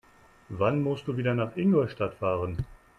Wann musst du wieder nach Ingolstadt fahren?